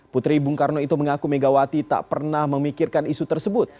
putri bung karno itu mengaku megawati tak pernah memikirkan isu tersebut